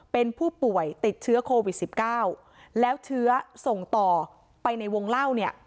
เป็นผู้ป่วยติดเชื้อโควิดสิบเก้าแล้วเชื้อส่งต่อไปในวงเล่าเนี่ย